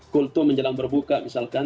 kultu menjelang berbuka misalkan